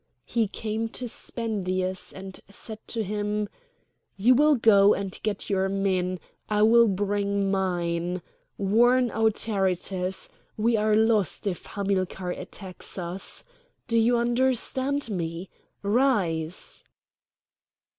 He came to Spendius and said to him: "You will go and get your men! I will bring mine! Warn Autaritus! We are lost if Hamilcar attacks us! Do you understand me? Rise!"